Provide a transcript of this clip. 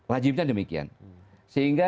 wajibnya demikian sehingga